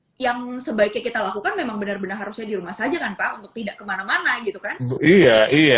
nah yang sebaiknya kita lakukan memang benar benar harusnya di rumah saja kan pak untuk tidak kemana mana gitu kan